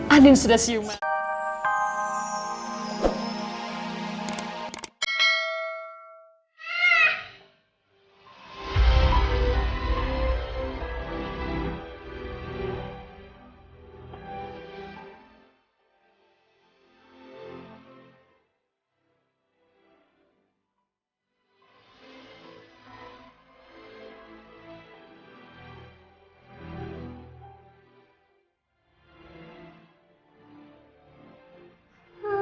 andin sudah siuman